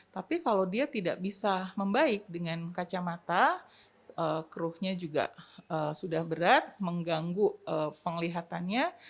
tapi kalau dia tidak bisa membaik dengan kacamata keruhnya juga sudah berat mengganggu penglihatannya